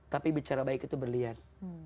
tapi bicara baik itu berlian